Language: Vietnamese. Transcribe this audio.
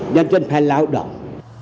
nhân chân phải lao động